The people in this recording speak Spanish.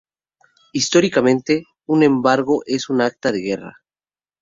Históricamente un embargo es una acta de guerra.